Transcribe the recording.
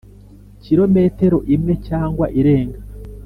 kilometero imwe cyangwa irenga,